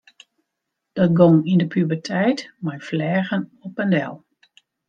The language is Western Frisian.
Dat gong yn de puberteit mei fleagen op en del.